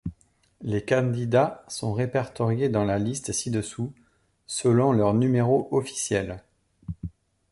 Les candidats sont répertoriés dans la liste ci-dessous selon leurs numéros officiels.